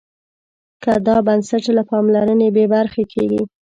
که دا بنسټ له پاملرنې بې برخې کېږي.